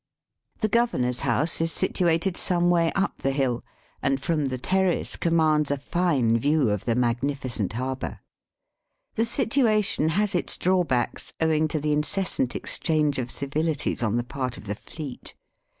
The governor's house is situated some way up the hill, and from the terrace commands .a fine view of the magnificent harbour. The situation has its drawbacks, owing to the in cessant exchange of civilities on the part of the fleet.